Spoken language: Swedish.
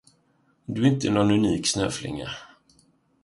Du är inte någon unik snöflinga.